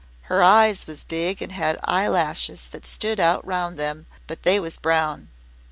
Her eyes was big and had eyelashes that stood out round 'em, but they was brown.